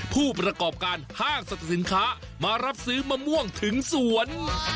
ผู้ประกอบการห้างสรรพสินค้ามารับซื้อมะม่วงถึงสวน